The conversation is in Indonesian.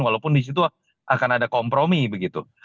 walaupun disitu akan ada kompromi begitu